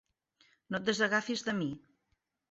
No et desagafis de mi.